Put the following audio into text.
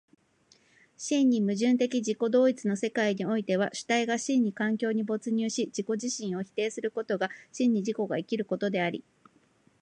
真に矛盾的自己同一の世界においては、主体が真に環境に没入し自己自身を否定することが真に自己が生きることであり、